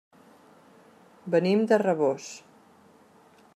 Venim de Rabós.